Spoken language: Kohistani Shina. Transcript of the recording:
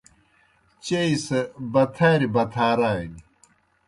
چیئی سہ بتھاریْ بتھارانیْ۔